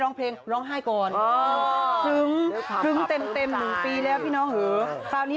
ร้องเพลงร้องไห้ก่อนครึ้งครึ้งเต็มเต็มหนึ่งปีแล้วพี่น้องเหอะคราวนี้